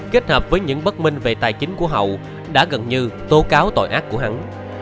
kết hợp với những bất minh về tài chính của hậu đã gần như tố cáo tội ác của hắn